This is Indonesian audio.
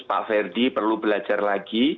pak ferdi perlu belajar lagi